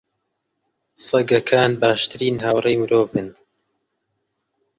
سەگەکان باشترین هاوڕێی مرۆڤن.